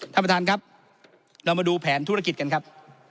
ท่านประธานครับเรามาดูแผนธุรกิจกันครับ